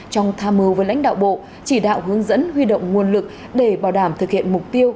trong tham mưu với lãnh đạo bộ chỉ đạo hướng dẫn huy động nguồn lực để bảo đảm thực hiện mục tiêu